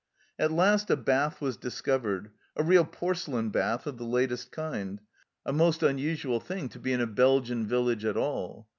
At last a bath was discovered, a real porcelain bath of the latest kind a most unusual thing to be 152 THE CELLAR HOUSE OF PERVYSE in a Belgian village at all.